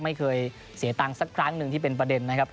ไม่เคยเสียตังค์สักครั้งหนึ่งที่เป็นประเด็นนะครับ